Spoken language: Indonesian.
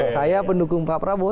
saya pendukung pak prabowo